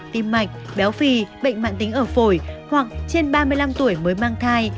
tim mạch béo phì bệnh mạng tính ở phổi hoặc trên ba mươi năm tuổi mới mang thai